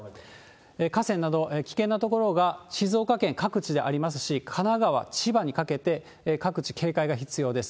河川など、危険なところが静岡県各地でありますし、神奈川、千葉にかけて、各地警戒が必要です。